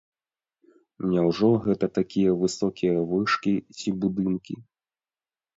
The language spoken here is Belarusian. Няўжо гэта такія высокія вышкі ці будынкі?